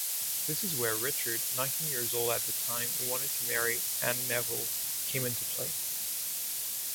This is where Richard, nineteen years old at the time, who wanted to marry Anne Neville, came into play.